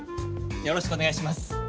よろしくお願いします。